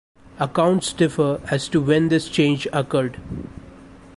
Accounts differ as to when this change occurred.